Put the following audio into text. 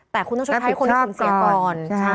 แต่คุณต้องชดใช้คนที่สูญเสียก่อน